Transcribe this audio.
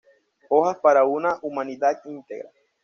Hojas para una humanidad íntegra.